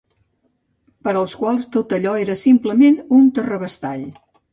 Per als quals tot allò era simplement un terrabastall